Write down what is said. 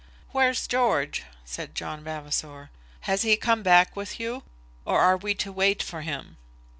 "Where's George?" said John Vavasor. "Has he come back with you, or are we to wait for him?"